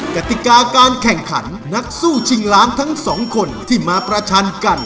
กติกาการแข่งขันนักสู้ชิงล้านทั้งสองคนที่มาประชันกัน